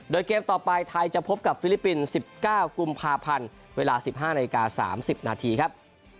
โดยเกมต่อไปไทยจะพบกับฟิลิปปินส์๑๙กุมภาพันธ์เวลา๑๕นาฬิกา๓๐นาทีครับ